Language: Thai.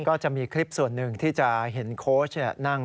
ก็จะมีคลิปส่วนหนึ่งที่จะเห็นโค้ชนั่ง